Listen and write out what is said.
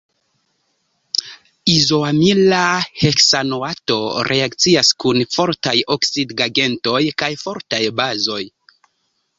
Izoamila heksanoato reakcias kun fortaj oksidigagentoj kaj fortaj bazoj.